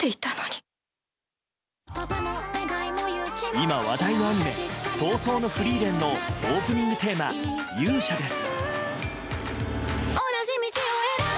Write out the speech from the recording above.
今、話題のアニメ「葬送のフリーレン」のオープニングテーマ「勇者」です。